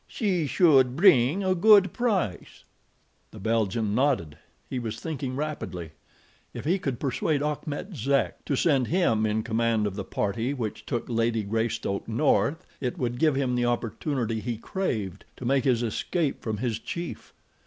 She should bring a good price." The Belgian nodded. He was thinking rapidly. If he could persuade Achmet Zek to send him in command of the party which took Lady Greystoke north it would give him the opportunity he craved to make his escape from his chief.